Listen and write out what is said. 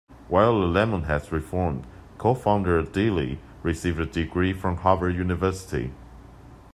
While The Lemonheads reformed, co-founder Deily received a degree from Harvard University.